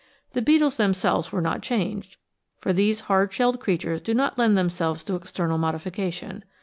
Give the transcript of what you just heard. The beetles themselves were not changed, for these hard shelled creatures do not lend themselves to external modification.